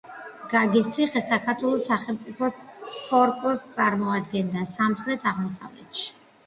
გაგის ციხე საქართველოს სახელმწიფოს ფორპოსტს წარმოადგენდა სამხრეთ-აღმოსავლეთში.